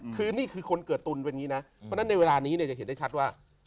คือนี่คือคนเกิดตุ๋นเป็นงนี้นะเพราะนั้นในเวลานี้จะเห็นได้ชัดว่า